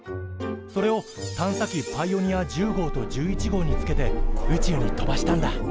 それを探査機パイオニア１０号と１１号につけて宇宙に飛ばしたんだ。